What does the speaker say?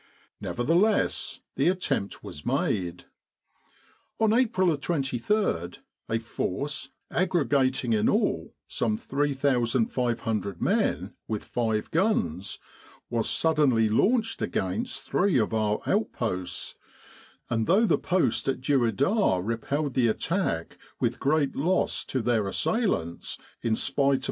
Nevertheless the attempt was made. On April 23 a force, aggregating in all some 3,500 men with five guns, was suddenly launched against three of our outposts ; and though the post at Dueidar repelled the attack with great loss to their assailants in spite of the 95 With the R.A.M.C.